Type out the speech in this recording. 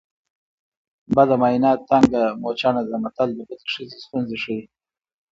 بده ماینه تنګه موچڼه ده متل د بدې ښځې ستونزې ښيي